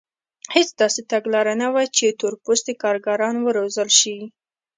هېڅ داسې تګلاره نه وه چې تور پوستي کارګران وروزل شي.